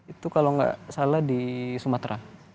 itu kalau nggak salah di sumatera